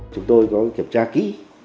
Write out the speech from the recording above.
chúng tôi có kiểm tra kỹ